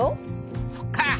そっか。